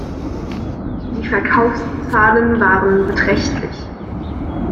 Die Verkaufszahlen waren beträchtlich.